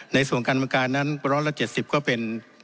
ในส่วนการบังการนั้นร้อนละ๗๐ก็เป็น